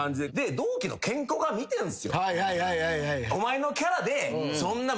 同期のケンコバ見てんすよ。